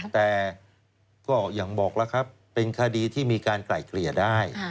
แต่ก็อย่างบอกแล้วครับเป็นคดีที่มีการไกล่เกลี่ยได้